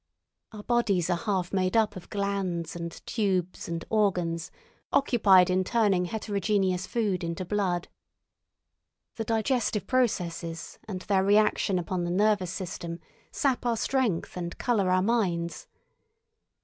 Our bodies are half made up of glands and tubes and organs, occupied in turning heterogeneous food into blood. The digestive processes and their reaction upon the nervous system sap our strength and colour our minds.